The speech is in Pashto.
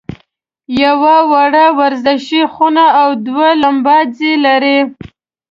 یوه وړه ورزشي خونه او دوه لمباځي لري.